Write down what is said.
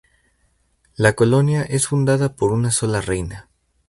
La colonia es fundada por una sola reina.